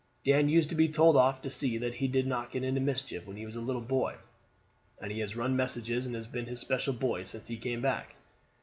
Dan used to be told off to see that he did not get into mischief when he was a little boy, and he has run messages and been his special boy since he came back.